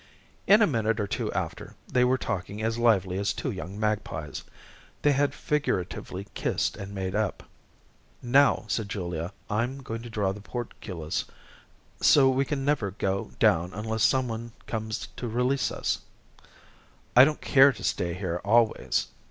In a minute or two after, they were talking as lively as two young magpies. They had figuratively kissed and made up. "Now," said Julia, "I'm going to draw the portcullis so we can never go down unless some one comes to release us." "I don't care to stay here always."